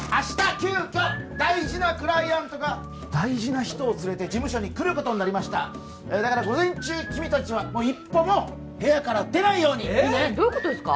急きょ大事なクライアントが大事な人を連れて事務所に来ることになりましただから午前中君達は一歩も部屋から出ないようにいいねどういうことですか？